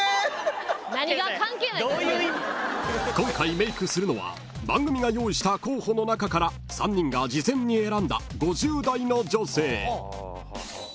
［今回メイクするのは番組が用意した候補の中から３人が事前に選んだ５０代の女性］